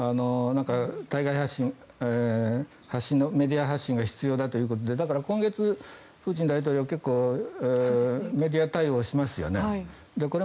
対外発信、メディア発信が必要だということでだから今月、プーチン大統領結構、メディア対応しますよね。